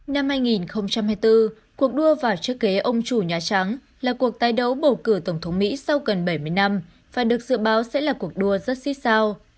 năm hai nghìn hai mươi bốn cuộc đua vào chức kế ông chủ nhà trắng là cuộc tái đấu bầu cử tổng thống mỹ sau gần bảy mươi năm và được dự báo sẽ là cuộc đua rất xích sao